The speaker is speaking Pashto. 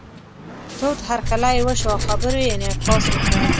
تود هرکلی یې وشو او خبرو یې انعکاس وکړ.